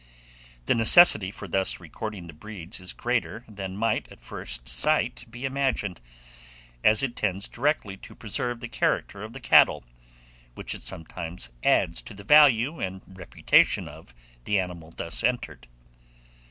The necessity for thus recording the breeds is greater than might, at first sight, be imagined, as it tends directly to preserve the character of the cattle, while it sometimes adds to the value and reputation of the animal thus entered.